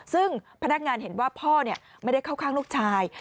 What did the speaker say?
ซึ่งพนักงานเห็นว่าพ่อไม่ได้เข้าข้างลูกชาย